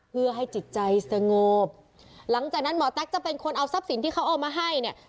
เพื่อให้จิตใจสงบหลังจากนั้นหมอแต๊กจะเป็นคนเอาทรัพย์สินที่เขาเอามาให้เนี่ย